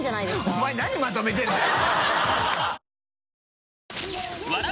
お前何まとめてるんだよ！